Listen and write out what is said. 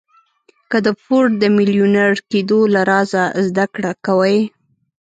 که د فورډ د ميليونر کېدو له رازه زده کړه کوئ.